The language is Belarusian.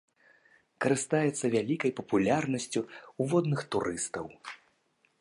Карыстаецца вялікай папулярнасцю ў водных турыстаў.